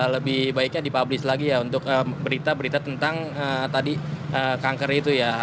lebih baiknya dipublis lagi ya untuk berita berita tentang tadi kanker itu ya